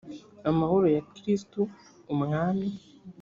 amahoro ya kristu umwami